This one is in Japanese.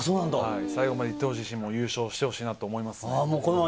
最後までいってほしいし、優勝してほしいなと思います。